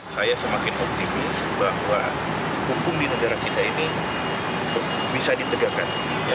saya semakin optimis bahwa hukum di negara kita ini bisa ditegakkan